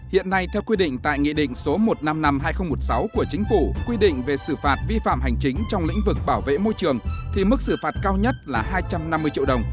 hiện nay theo quy định tại nghị định số một trăm năm mươi năm hai nghìn một mươi sáu của chính phủ quy định về xử phạt vi phạm hành chính trong lĩnh vực bảo vệ môi trường thì mức xử phạt cao nhất là hai trăm năm mươi triệu đồng